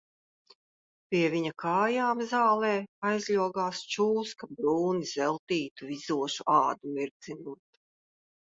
Pie viņa kājām zālē aizļogās čūska brūni zeltītu, vizošu ādu mirdzinot.